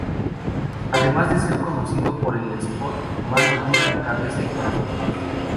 Además de ser conocido por el spot "Mano dura, cabeza y corazón".